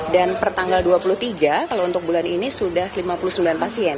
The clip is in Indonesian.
dan per tanggal dua puluh tiga kalau untuk bulan ini sudah lima puluh sembilan pasien